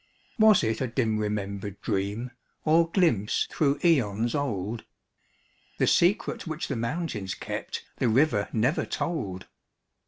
Was it a dim remembered dream? Or glimpse through aeons old? The secret which the mountains kept The river never told.